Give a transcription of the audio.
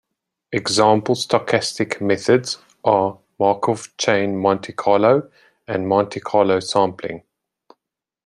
Example stochastic methods are Markov Chain Monte Carlo and Monte Carlo sampling.